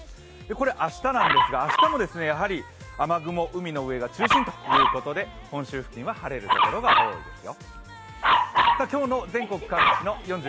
これ、明日なんですが、明日もやはり雨雲は海の上が中心で本州付近は晴れるところが多いですよ。